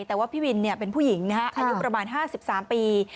แต่ว่าพี่วินเป็นผู้หญิงนะฮะอายุประมาณ๕๓ปี